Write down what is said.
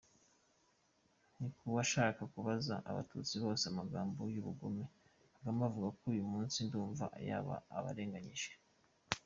Ntinkuwashaka kubaza abatutsi bose amagambo y’ubugome Kagame avuga uyu munsi ndumva yaba abarenganije.